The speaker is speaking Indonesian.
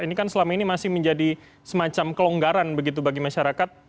ini kan selama ini masih menjadi semacam kelonggaran begitu bagi masyarakat